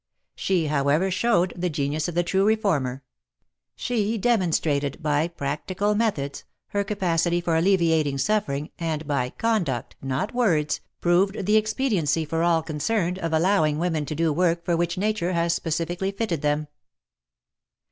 She, however showed, the genius of the true reformer. She demonstrated by practical methods her capacity for alleviating suffering, and by conduct, not words, proved the expediency for all concerned of allowing women to do work for which nature has speci ally fitted them.